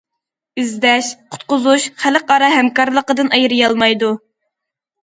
ئىزدەش، قۇتقۇزۇش خەلقئارا ھەمكارلىقتىن ئايرىيالمايدۇ.